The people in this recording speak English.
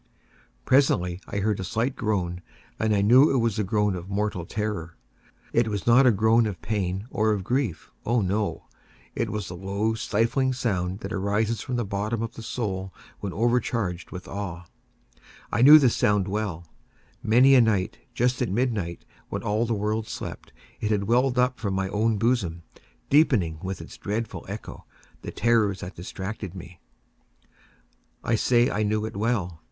Presently I heard a slight groan, and I knew it was the groan of mortal terror. It was not a groan of pain or of grief—oh, no!—it was the low stifled sound that arises from the bottom of the soul when overcharged with awe. I knew the sound well. Many a night, just at midnight, when all the world slept, it has welled up from my own bosom, deepening, with its dreadful echo, the terrors that distracted me. I say I knew it well.